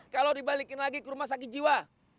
kalau dibalikin lagi ke rumah sakit jiwa